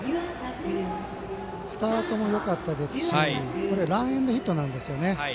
スタートもよかったですしランエンドヒットなんですよね。